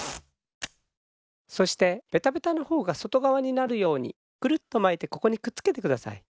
そしてベタベタのほうがそとがわになるようにくるっとまいてここにくっつけてください。